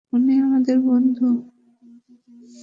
উনি আমাদের বন্ধু।